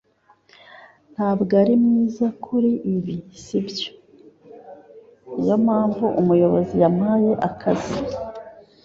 "Ntabwo uri mwiza kuri ibi, si byo?" "Niyo mpamvu umuyobozi yampaye akazi."